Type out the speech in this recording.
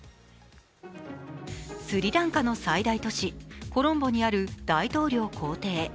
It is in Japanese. スリランカの最大都市、コロンボにある大統領公邸。